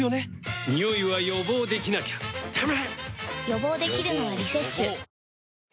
予防できるのは「リセッシュ」予防予防。